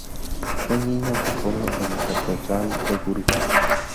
Fue niño de coro en la catedral de Burgos.